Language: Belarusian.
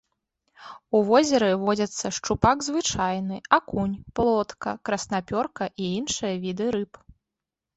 У возеры водзяцца шчупак звычайны, акунь, плотка, краснапёрка і іншыя віды рыб.